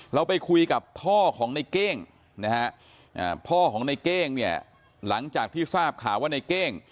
เราไปคุยกับพ่อของในเก้งนะฮะพ่อของในเก้งเนี่ยหลังจากที่ทราบข่าวว่าในเก้ง